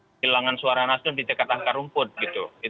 kehilangan suara nasdem di dekat angka rumput gitu